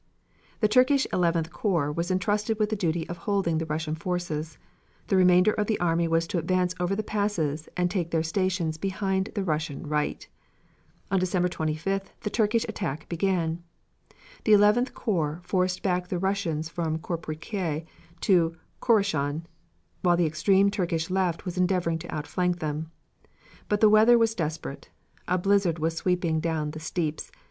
The Turkish Eleventh corps was entrusted with the duty of holding the Russian forces; the remainder of the army was to advance over the passes and take their stations behind the Russian right. On December 25th the Turkish attack began. The Eleventh corps forced back the Russians from Koprikeui to Khorasan, while the extreme Turkish left was endeavoring to outflank them. But the weather was desperate. A blizzard was sweeping down the steeps.